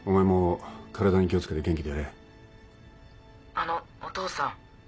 ☎あのお父さん。